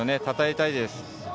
たたえたいです。